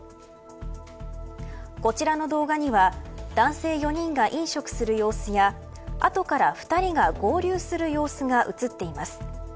こちらの動画には男性４人が飲食する様子や後から２人が合流する様子が映っています。